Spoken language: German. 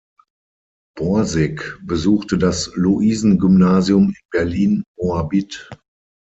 Borsig besuchte das Luisengymnasium in Berlin-Moabit.